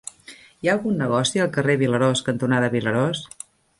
Hi ha algun negoci al carrer Vilarós cantonada Vilarós?